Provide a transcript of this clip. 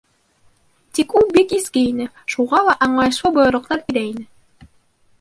Тик ул бик изге ине, шуға ла аңлайышлы бойороҡтар бирә ине.